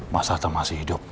mas hatta masih hidup